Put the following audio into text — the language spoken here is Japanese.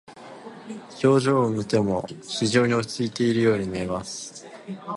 表情を見ても非常に落ち着いているように見えます。